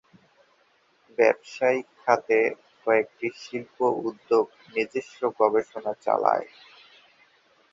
ব্যবসায়িক খাতে, কয়েকটি শিল্প উদ্যোগ নিজস্ব গবেষণা চালায়।